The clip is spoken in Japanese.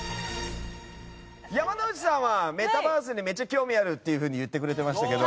山之内さんはメタバースにめっちゃ興味あるっていうふうに言ってくれてましたけど。